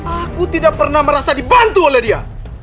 aku tidak pernah merasa dibantu oleh dia